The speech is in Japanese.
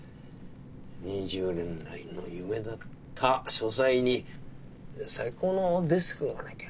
２０年来の夢だった書斎に最高のデスクがなきゃだめでしょう。